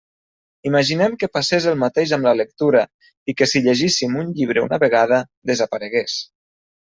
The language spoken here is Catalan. Imaginem que passés el mateix amb la lectura, i que si llegíssim un llibre una vegada, desaparegués.